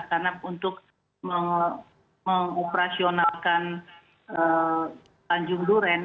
karena untuk mengoperasionalkan tanjung duren